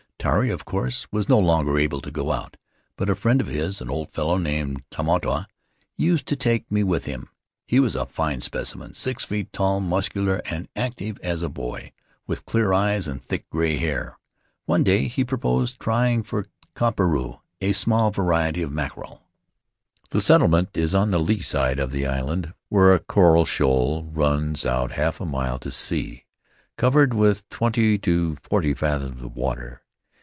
Tairi, of course, was no longer able to go out; but a friend of his — an old fellow named Tamatoa — used to take me with him. He was a fine specimen — six feet tall, muscular and active as a boy, with clear eyes and thick gray hair. One day he proposed trying for koperu, a small variety of mackerel. "The settlement is on the lee side of the island, where a coral shoal runs out half a mile to sea, covered with twenty to forty fathoms of water.